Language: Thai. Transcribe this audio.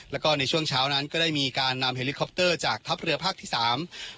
แล้วก็ในช่วงเช้านั้นก็ได้มีการนำเฮลิคอปเตอร์จากทัพเรือภาคที่สาม